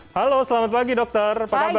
halo selamat pagi dokter apa kabar